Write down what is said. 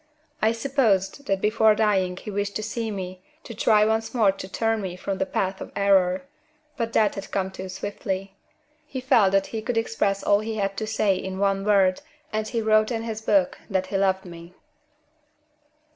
I supposed that before dying he wished to see me, to try once more to turn me from the path of error; but death had come too swiftly; he felt that he could express all he had to say in one word and he wrote in his book that he loved me.